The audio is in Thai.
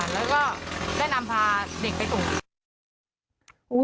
แล้วก็แนะนำพาเด็กไปตรงนี้